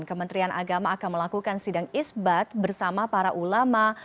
kementerian agama akan melakukan sidang isbat bersama para ulama